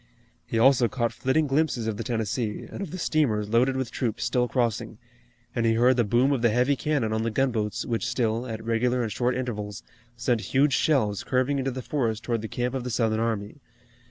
He also caught flitting glimpses of the Tennessee, and of the steamers loaded with troops still crossing, and he heard the boom of the heavy cannon on the gunboats which still, at regular and short intervals, sent huge shells curving into the forest toward the camp of the Southern army.